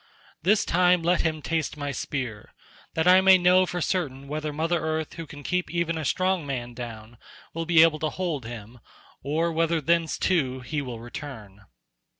This time let him taste my spear, that I may know for certain whether mother earth who can keep even a strong man down, will be able to hold him, or whether thence too he will return."